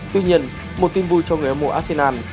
tuy nhiên một tin vui cho người hâm mộ arsenal